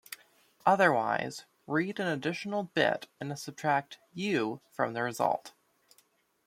Otherwise, read an additional bit and subtract "u" from the result.